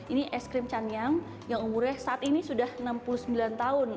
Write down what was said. ini es krim canyang yang umurnya saat ini sudah enam puluh sembilan tahun